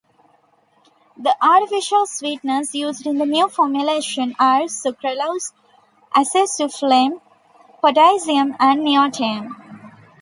The artificial sweeteners used in the new formulation are sucralose, acesulfame potassium, and neotame.